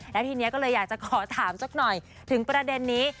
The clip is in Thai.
แล้วทีนี้ก็เลยอยากจะขอถามสักหน่อยถึงประเด็นนี้